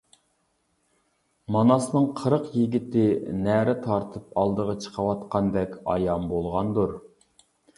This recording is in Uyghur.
ماناسنىڭ قىرىق يىگىتى نەرە تارتىپ ئالدىغا چىقىۋاتقاندەك ئايان بولغاندۇر!